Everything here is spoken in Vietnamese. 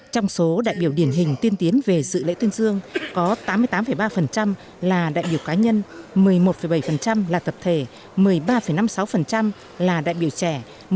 trong số đại biểu điển hình tiên tiến về dự lễ tuyên dương có tám mươi tám ba là đại biểu cá nhân một mươi một bảy là tập thể một mươi ba năm mươi sáu là đại biểu trẻ